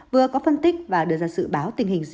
vừa có phân tích và đưa ra dự báo tình hình